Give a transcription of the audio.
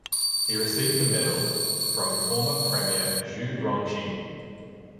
He received the medal from former Premier Zhu Rongji.